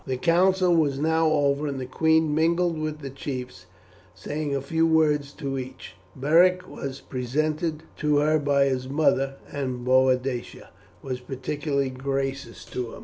The council was now over, and the queen mingled with the chiefs, saying a few words to each. Beric was presented to her by his mother, and Boadicea was particularly gracious to him.